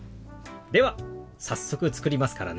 では早速作りますからね。